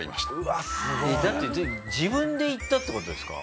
だって自分で行ったって事ですか？